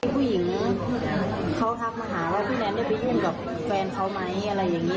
ผู้หญิงเขาทักมาหาว่าพี่แนนได้ไปยุ่งกับแฟนเขาไหมอะไรอย่างนี้